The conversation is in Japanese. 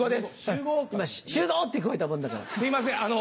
すいません